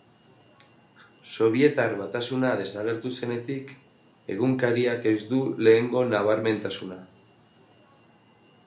Sobietar Batasuna desagertu zenetik, egunkariak ez du lehengo nabarmentasuna.